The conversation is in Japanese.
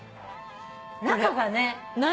中がね。